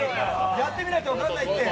やってみないと分かんないって！